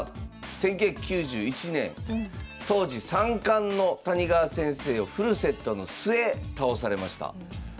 １９９１年当時三冠の谷川先生をフルセットの末倒されました。